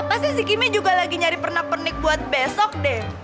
pasti si kimi juga lagi nyari perna pernik buat besok deh